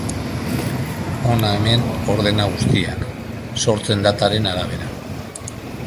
Hona hemen ordena guztiak, sortze dataren arabera.